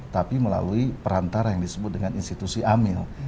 tapi melalui perantara yang disebut dengan institusi amil